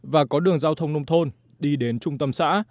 và có đường giao thông nông thôn đi đến trung tâm xã